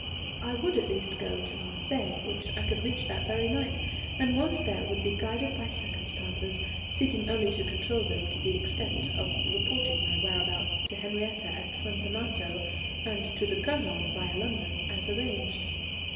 I would at least go to Marseilles, which I could reach that very night, and once there would be guided by circumstances, seeking only to control them to the extent of reporting my whereabouts to Henriette at Fuentellato, and to the Colonel via London as arranged.